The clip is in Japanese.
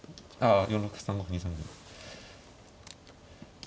あ４六歩３五歩２三銀。